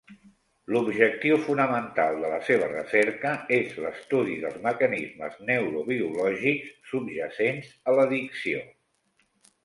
L'objectiu fonamental de la seva recerca és l'estudi dels mecanismes neurobiològics subjacents a l'addicció.